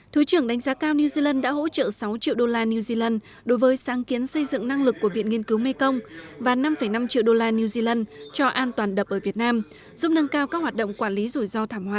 thứ trưởng đánh giá cao new zealand đã hỗ trợ sáu triệu đô la new zealand đối với sáng kiến xây dựng năng lực của viện nghiên cứu mekong và năm năm triệu đô la new zealand cho an toàn đập ở việt nam giúp nâng cao các hoạt động quản lý rủi ro thảm họa